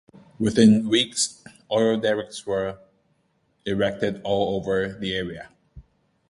Within weeks oil derricks were erected all over the area.